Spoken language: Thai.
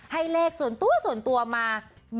ให้เลขส่วนตัวมา๑๓